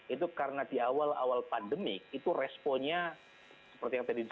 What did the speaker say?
itu karena di awal awal pandemi itu responnya seperti yang tadi disampaikan